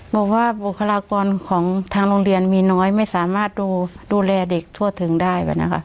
บอกว่าบุคลากรของทางโรงเรียนมีน้อยไม่สามารถดูแลเด็กทั่วถึงได้นะคะ